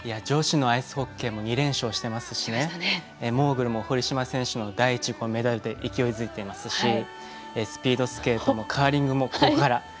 女子のアイスホッケーも２連勝していますしモーグルも堀島選手の第１のメダルで勢いづいていますしスピードスケートもカーリングもここから。